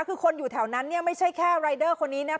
คือคนอยู่แถวนั้นเนี้ยไม่ใช่แค่คนี้นะครับ